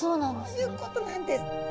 そういうことなんです。